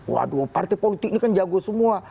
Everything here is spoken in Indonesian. waduh partai politik ini kan jago semua